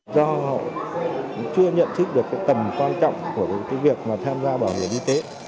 do họ chưa nhận thức được tầm quan trọng của việc tham gia bảo hiểm y tế